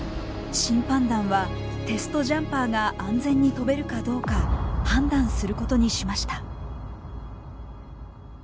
審判団はテストジャンパーが安全に飛べるかどうか判断することにしました。